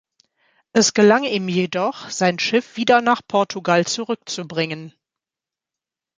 Es gelang ihm jedoch, sein Schiff wieder nach Portugal zurückzubringen.